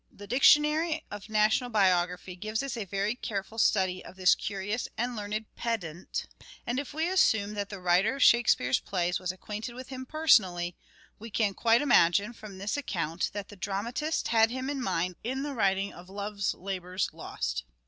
The Dictionary of National Biography gives us a very careful study of this curious and learned pedant ; and if we assume that the writer of Shake speare's plays was acquainted with him personally, we can quite imagine from this account that the dramatist had him in mind in the writing of " Love's Labour's Lost."